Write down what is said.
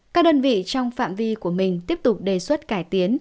các đơn vị trong phạm vi của mình tiếp tục đề xuất cải tiến